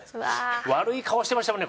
悪い顔してましたもんね